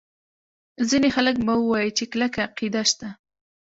ځیني خلک به ووایي چې کلکه عقیده شته.